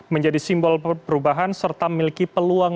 menjadi simbol perubahan serta memiliki peluang